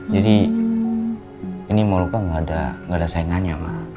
jadi ini mau luka gak ada saingannya ma